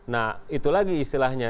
nah itu lagi istilahnya